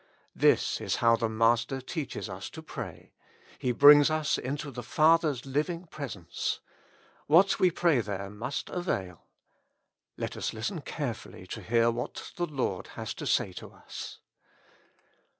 This is how the Master teaches us to pray ; He brings us into the Father's living presence. What we pray there must avail. Let us listen care fully to hear what the Lord has to say to us.